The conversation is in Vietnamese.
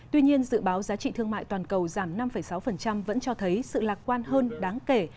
tuy nhiên dự báo giá trị thương mại toàn cầu giảm năm sáu vẫn cho thấy sự lạc quan hơn đáng kể